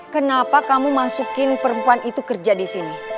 kenapa kamu masukin perempuan itu kerja disini